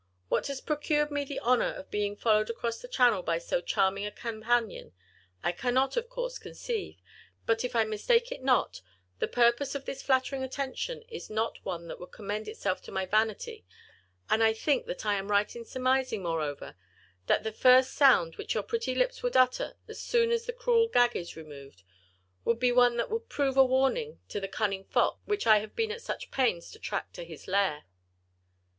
What has procured me the honour of being followed across the Channel by so charming a companion, I cannot, of course, conceive, but, if I mistake not, the purpose of this flattering attention is not one that would commend itself to my vanity, and I think that I am right in surmising, moreover, that the first sound which your pretty lips would utter, as soon as the cruel gag is removed, would be one that would perhaps prove a warning to the cunning fox, which I have been at such pains to track to his lair."